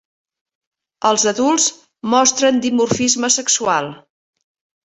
Els adults mostren dimorfisme sexual.